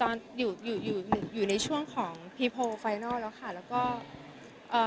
ตอนนี้อยู่ในช่วงพีโปรไฟนัลค่ะ